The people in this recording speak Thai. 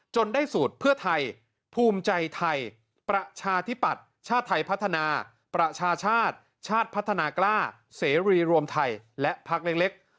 ได้สูตรเพื่อไทยภูมิใจไทยประชาธิปัตย์ชาติไทยพัฒนาประชาชาติชาติพัฒนากล้าเสรีรวมไทยและพักเล็ก